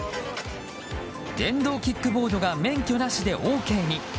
電動キックボードが免許なしでＯＫに。